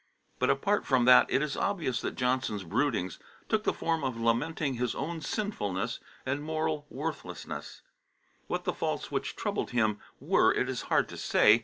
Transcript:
But, apart from that, it is obvious that Johnson's broodings took the form of lamenting his own sinfulness and moral worthlessness: what the faults which troubled him were, it is hard to say.